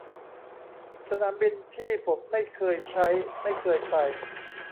สนามบินที่ผมไม่เคยใช้ ไม่เคยไป